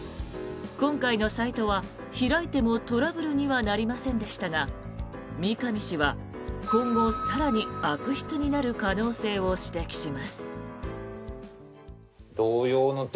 今回のサイトは、開いてもトラブルにはなりませんでしたが三上氏は今後更に悪質になる可能性を指摘します。